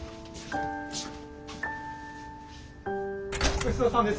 ごちそうさんです。